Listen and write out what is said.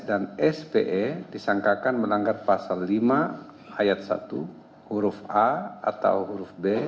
dan spe disangkakan menanggar pasal lima ayat satu huruf a atau huruf b